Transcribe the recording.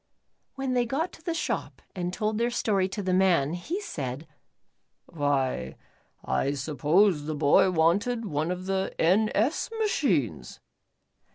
When they got to the shop and told their story to the man, he said: "Why I supposed the boy wanted one of the N. S. machines."